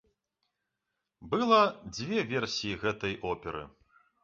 Была дзве версіі гэтай оперы.